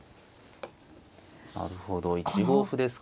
なるほど１五歩ですか。